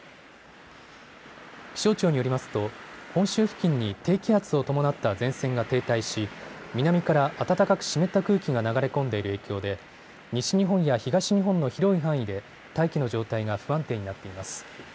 気象庁によりますと本州付近に低気圧を伴った前線が停滞し南から暖かく湿った空気が流れ込んでいる影響で西日本や東日本の広い範囲で大気の状態が不安定になっています。